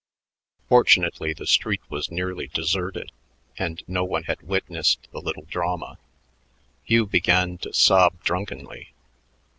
Fortunately the street was nearly deserted, and no one had witnessed the little drama. Hugh began to sob drunkenly.